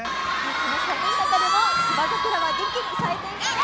その寒い中でも芝桜は元気に咲いています。